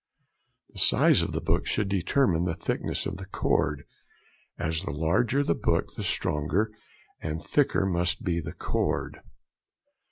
The size of the book should determine the thickness of the cord, as the larger the book, the stronger and thicker must be the cord.